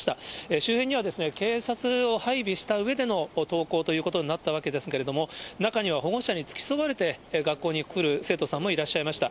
周辺には警察を配備したうえでの登校ということになったわけですけれども、中には保護者に付き添われて、学校に来る生徒さんもいらっしゃいました。